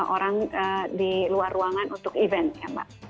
orang di luar ruangan untuk event ya mbak